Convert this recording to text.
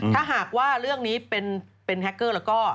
ถ้าหากว่าเรื่องนี้เป็นแฮคเกอร์แล้วก็